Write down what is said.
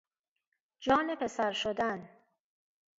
جان پسر شدن